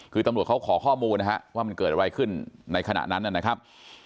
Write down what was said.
คือตำรวจเขาขอข้อมูลนะฮะว่ามันเกิดอะไรขึ้นในขณะนั้นนะครับ